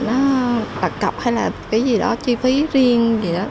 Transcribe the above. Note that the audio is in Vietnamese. nó đặt cọc hay là cái gì đó chi phí riêng gì đó